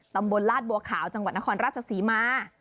ตลาดบัวขาวจังหวัดนครราชศรีมา